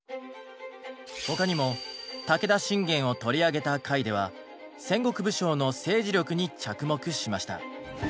他にも武田信玄を取り上げた回では戦国武将の政治力に着目しました。